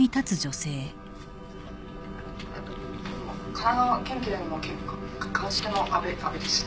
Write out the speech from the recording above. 神奈川県警のか鑑識の阿部阿部です。